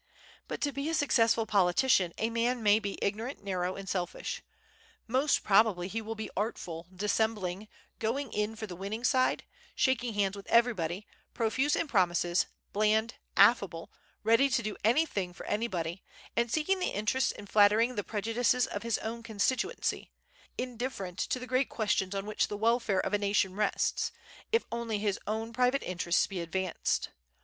But to be a successful politician a man may be ignorant, narrow, and selfish; most probably he will be artful, dissembling, going in for the winning side, shaking hands with everybody, profuse in promises, bland, affable, ready to do anything for anybody, and seeking the interests and flattering the prejudices of his own constituency, indifferent to the great questions on which the welfare of a nation rests, if only his own private interests be advanced.